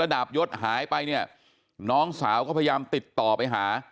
ดาบยศหายไปเนี่ยน้องสาวก็พยายามติดต่อไปหา